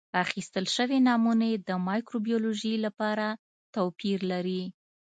اخیستل شوې نمونې د مایکروبیولوژي لپاره توپیر لري.